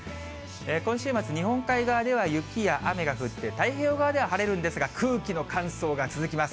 今週末、日本海側では雪や雨が降って、太平洋側では晴れるんですが、空気の乾燥が続きます。